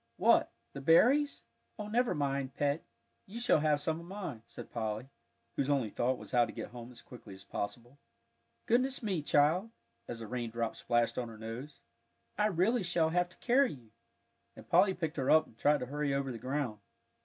"What the berries? Oh, never mind, Pet, you shall have some of mine," said Polly, whose only thought was how to get home as quickly as possible. "Goodness me, child!" as a raindrop splashed on her nose. "I really shall have to carry you," and Polly picked her up, and tried to hurry over the ground.